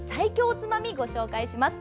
おつまみご紹介します。